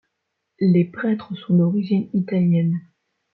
Les prêtres sont d'origine italienne.